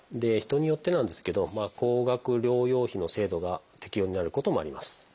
人によってなんですけど高額療養費の制度が適用になることもあります。